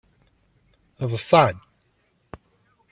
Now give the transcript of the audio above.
Ḍsan.